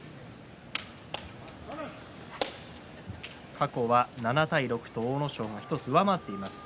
過去は７対６と阿武咲が１つ、上回っています。